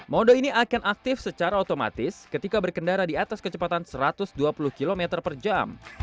mode ini akan aktif secara otomatis ketika berkendara di atas kecepatan satu ratus dua puluh km per jam